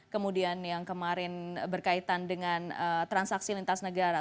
kemudian yang kemarin berkaitan dengan transaksi lintas negara